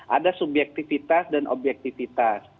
ada subyektifitas dan obyektifitas